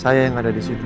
saya yang ada disitu